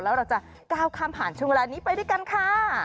แล้วเราจะก้าวข้ามผ่านช่วงเวลานี้ไปด้วยกันค่ะ